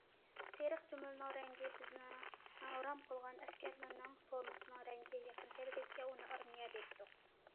سېرىق چۈمۈلىنىڭ رەڭگى بىزنىڭ رام قىلغان ئەسكەرلەرنىڭ فورمىسىنىڭ رەڭگىگە يېقىن كەلگەچكە، ئۇنى« ئارمىيە» دەيتتۇق.